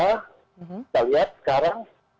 kita lihat sekarang